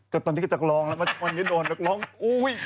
ก็ตอนนี้ก็จะร้องแล้วมันก็ไม่โดนแบบร้องอุ้ย